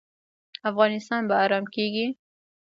افغانستان به ارام کیږي؟